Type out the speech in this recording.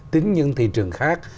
tính những thị trường khác